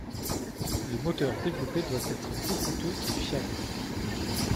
Le moteur développé doit être peu coûteux et fiable.